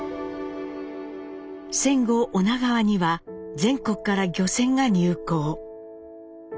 戦後女川には全国から漁船が入港。